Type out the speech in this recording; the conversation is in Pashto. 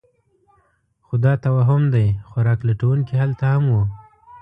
خو دا توهم دی؛ خوراک لټونکي هلته هم وو.